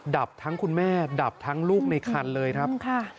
ดับทั้งคุณแม่ดับทั้งลูกในคันเลยครับ